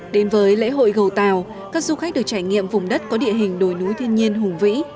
đến với lễ hội gầu tàu các du khách được trải nghiệm vùng đất có địa hình đồi núi thiên nhiên hùng vĩ